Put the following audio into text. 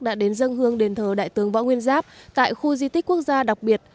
đã đến dân hương đền thờ đại tướng võ nguyên giáp tại khu di tích quốc gia đặc biệt